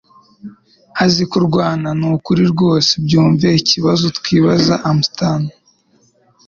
Azi kurwana nukuri rwose byumve ikibazo twibaza(Amastan)